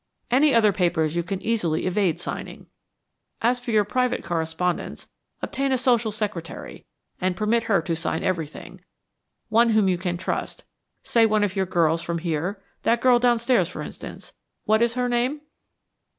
Any other papers you can easily evade signing. As for your private correspondence, obtain a social secretary, and permit her to sign everything one whom you can trust say, one of your girls from here, that girl downstairs, for instance. What is her name?"